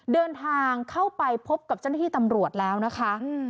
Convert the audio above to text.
เดินทางเข้าไปพบกับเจ้าหน้าที่ตำรวจแล้วนะคะ